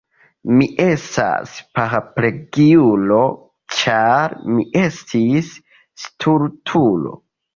Mi estas paraplegiulo, ĉar mi estis stultulo.